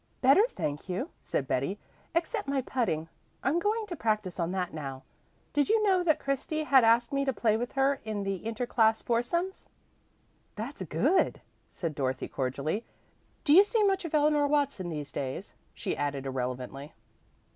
"Better, thank you," said Betty, "except my putting, and I'm going to practice on that now. Did you know that Christy had asked me to play with her in the inter class foursomes?" "That's good," said Dorothy cordially. "Do you see much of Eleanor Watson these days?" she added irrelevantly.